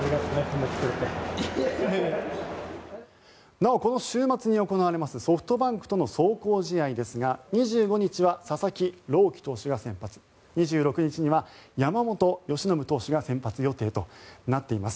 なおこの週末に行われますソフトバンクとの壮行試合ですが２５日は佐々木朗希投手が先発２６日には山本由伸投手が先発予定となっています。